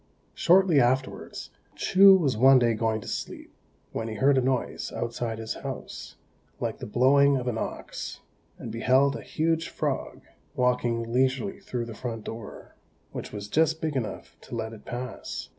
Shortly afterwards, Chou was one day going to sleep, when he heard a noise outside his house, like the blowing of an ox, and beheld a huge frog walking leisurely through the front door, which was just big enough to let it pass.